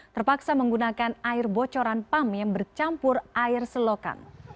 terpaksa menggunakan air bocoran pump yang bercampur air selokan